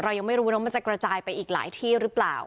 ยังไม่รู้ว่ามันจะกระจายไปอีกหลายที่หรือเปล่า